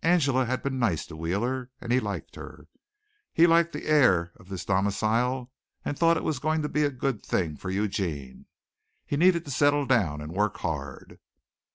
Angela had been nice to Wheeler and he liked her. He liked the air of this domicile and thought it was going to be a good thing for Eugene. He needed to settle down and work hard.